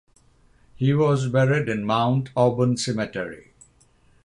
He was buried in Mount Auburn Cemetery.